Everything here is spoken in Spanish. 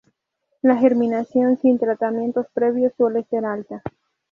La germinación, sin tratamientos previos, suele ser alta.